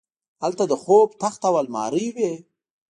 هلته د خوب تخت او المارۍ وې